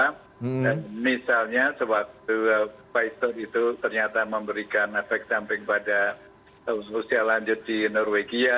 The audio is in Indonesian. dan misalnya sewaktu pfizer itu ternyata memberikan efek samping pada usia lanjut di norwegia